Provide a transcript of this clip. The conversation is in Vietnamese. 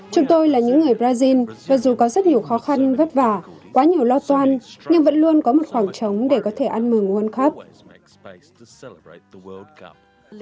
chúng tôi là những người brazil mặc dù có rất nhiều khó khăn vất vả quá nhiều lo toan nhưng vẫn luôn có một khoảng trống để có thể ăn mừng world cup